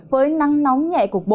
với nắng nóng nhẹ cục bộ